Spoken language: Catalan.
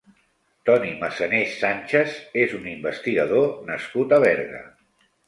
Toni Massanés Sánchez és un investigador nascut a Berga.